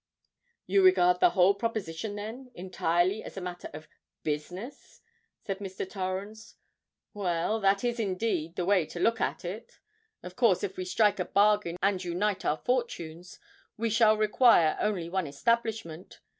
"You regard the whole proposition, then, entirely as a matter of business," said Mr. Torrens. "Well—that is indeed the way to look at it. Of course, if we strike a bargain and unite our fortunes, we shall require only one establishment.